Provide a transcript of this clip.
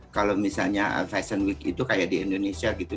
kalau misalnya fashion week itu kayak di indonesia gitu